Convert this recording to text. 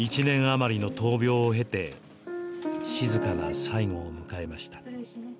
１年余りの闘病を経て静かな最期を迎えました。